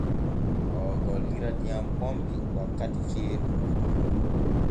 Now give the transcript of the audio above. Oo gollira diyam pompi wakkati ceeɗu.